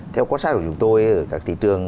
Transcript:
theo quan sát của chúng tôi các thị trường